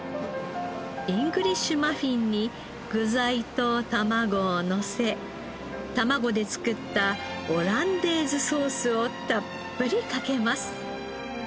イングリッシュマフィンに具材とたまごをのせたまごで作ったオランデーズソースをたっぷりかけます。